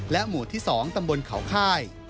หมู่ที่๒ตำบลเขาค่าย